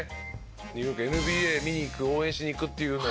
ニューヨークＮＢＡ見に行く応援しに行くっていうのを。